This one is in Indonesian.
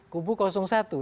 khususnya oleh kubu satu